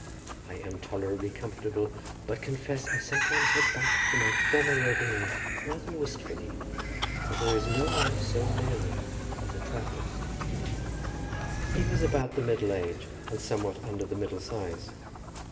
I am tolerably comfortable, but confess I sometimes look back to my former roving life rather wistfully, for there is no life so merry as the traveller's." He was about the middle age, and somewhat under the middle size.